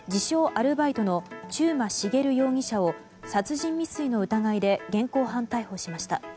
アルバイトの中馬茂容疑者を殺人未遂の疑いで現行犯逮捕しました。